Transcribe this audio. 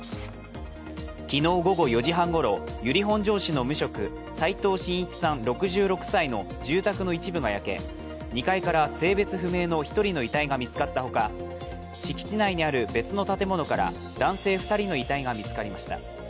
昨日午後４時半ごろ、由利本荘市の無職、齋藤真一さん６６歳の住宅の一部が焼け、２階から性別不明の１人の遺体が見つかったほか、敷地内にある別の建物から男性２人の遺体が見つかりました。